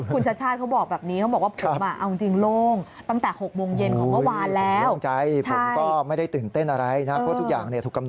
คุณชัดตอนที่เจอสื่อเนี่ยนะ